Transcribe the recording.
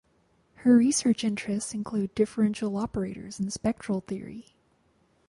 Her research interests include differential operators and spectral theory.